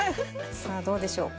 さあどうでしょう。